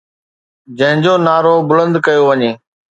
جنهن جو نعرو بلند ڪيو وڃي